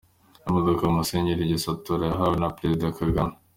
Imodoka Musenyeri Gasatura yahawe na Perezida Kagame.